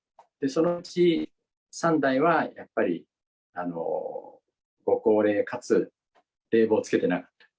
そのうち３台は、やっぱりご高齢かつ冷房をつけてなかった。